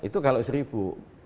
itu kalau seribu